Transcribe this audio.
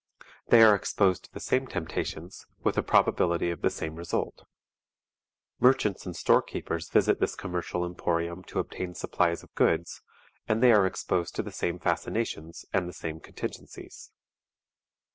They are exposed to the same temptations, with a probability of the same result. Merchants and store keepers visit this commercial emporium to obtain supplies of goods, and they are exposed to the same fascinations and the same contingencies.